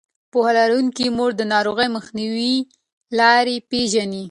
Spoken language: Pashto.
پوهه لرونکې مور د ناروغۍ مخنیوي لارې پېژني.